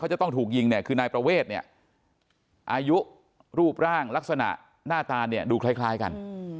จะต้องถูกยิงเนี่ยคือนายประเวทเนี่ยอายุรูปร่างลักษณะหน้าตาเนี่ยดูคล้ายกัน